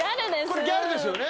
これギャルですよね